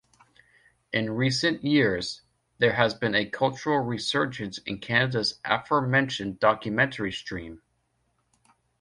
In recent years, there has been a cultural resurgence in Canada's aforementioned documentary stream.